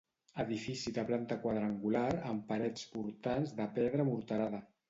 Edifici de planta quadrangular amb parets portants de pedra morterada.